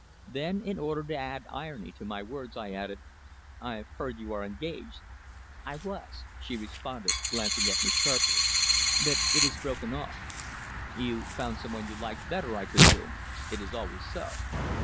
Then, in order to add irony to my words, I added: "I've heard you are engaged." "I was," she responded, glancing at me sharply. "But it is broken off." "You found some one you liked better, I presume? It is always so."